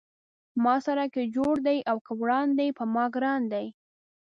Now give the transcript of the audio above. ما سره که جوړ دی او که وران دی پۀ ما ګران دی